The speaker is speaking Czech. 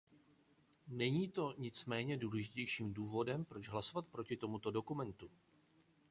Není to nicméně nejdůležitějším důvodem, proč hlasovat proti tomuto dokumentu.